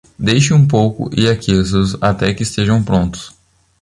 Deixe um pouco e aqueça-os até que estejam prontos.